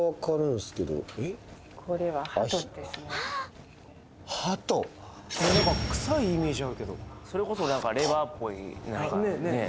これはなんか臭いイメージあるけどそれこそなんかレバーっぽいねえ